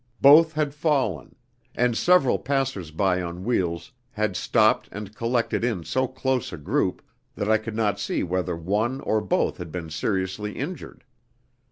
Both had fallen, and several passers by on wheels had stopped and collected in so close a group that I could not see whether one or both had been seriously injured.